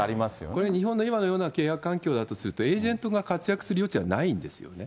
これ、日本の今のような契約環境だとすると、エージェントが活躍する余地はないんですよね。